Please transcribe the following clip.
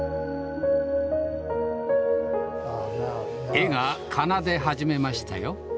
絵が奏で始めましたよ。